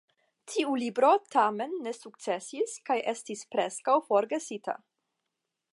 Tiu libro tamen ne sukcesis kaj estis preskaŭ forgesita.